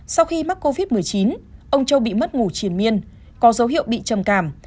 sau khi mắc covid một mươi chín ông châu bị mất ngủ triển miên có dấu hiệu bị trầm cảm